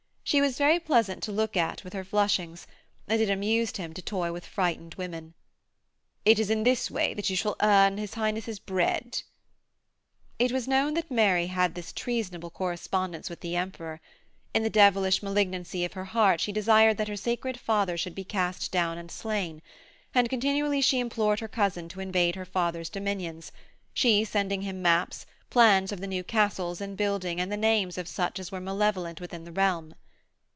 She was very pleasant to look at with her flushings, and it amused him to toy with frightened women. 'It is in this way that you shall earn his Highness' bread.' It was known that Mary had this treasonable correspondence with the Emperor; in the devilish malignancy of her heart she desired that her sacred father should be cast down and slain, and continually she implored her cousin to invade her father's dominions, she sending him maps, plans of the new castles in building and the names of such as were malevolent within the realm.